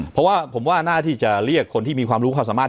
เพราะว่าผมว่าหน้าที่จะเรียกคนที่มีความรู้ความสามารถ